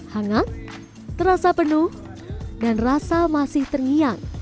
hangat terasa penuh dan rasa masih terngiang